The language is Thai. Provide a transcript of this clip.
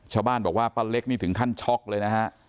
ชาวบ้านบอกว่าป้าเล็กนี่ถึงขั้นช็อกเลยนะฮะ